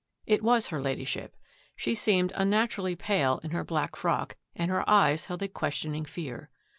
It was her Lady ship. She seemed unnaturally pale in her black frock, and her eyes held a questioning fear.